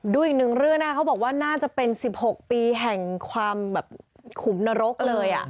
ดูอีกหนึ่งเรื่องนะเขาบอกว่าน่าจะเป็น๑๖ปีแห่งความแบบขุมนรกเลย